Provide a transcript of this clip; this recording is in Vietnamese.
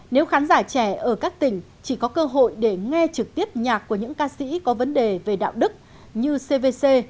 nếu khán giả trẻ ở các tỉnh chỉ có cơ hội để nghe trực tiếp nhạc của những ca sĩ có vấn đề về đạo đức như cvc